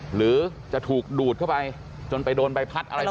หรือจะถูกดูดเข้าไปจนไปโดนใบพัดอะไรแบบนี้ไหม